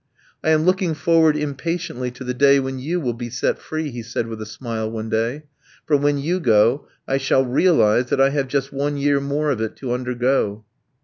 "I am looking forward impatiently to the day when you will be set free," he said with a smile one day, "for when you go I shall realise that I have just one year more of it to undergo."